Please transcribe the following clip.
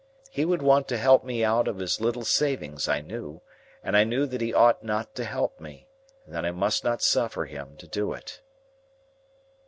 He would want to help me out of his little savings, I knew, and I knew that he ought not to help me, and that I must not suffer him to do it.